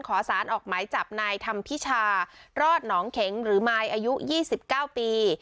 ขอสารออกไม้จับในทำพิชารอดหนองเข็งหรือไม้อายุยี่สิบเก้าปี